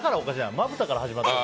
まぶたから始まってる。